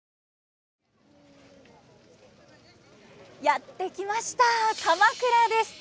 やって来ました鎌倉です。